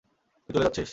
তুই চলে যাচ্ছিস?